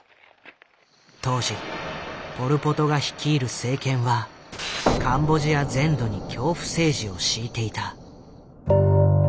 当時ポル・ポトが率いる政権はカンボジア全土に恐怖政治を敷いていた。